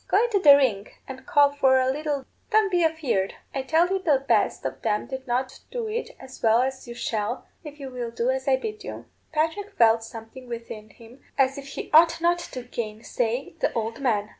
Go into the ring and call for a lilt. Don't be afeard. I tell you the best of them did not do it as well as you shall, if you will do as I bid you.' Patrick felt something within him as if he ought not to gainsay the old man.